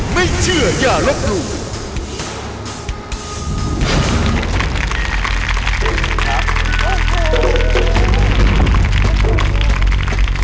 สวัสดีครับสวัสดีครับ